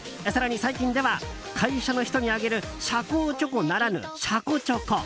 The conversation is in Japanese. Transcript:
最近では会社の人にあげる社交チョコならぬシャコチョコ